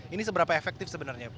ini seberapa efektif sebenarnya